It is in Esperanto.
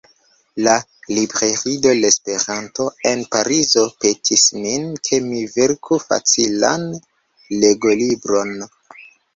La "Librairie de l' Esperanto" en Parizo petis min, ke mi verku facilan legolibron.